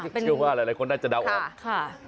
เชื่อว่าหลายคนได้จะเดาออก